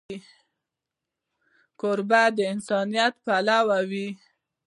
کوربه د انسانیت پلوی وي.